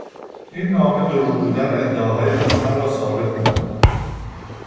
این نامه دروغ بودن ادعاهای حسن را ثابت میکند.